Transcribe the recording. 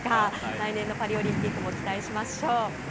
来年のパリオリンピックも期待しましょう。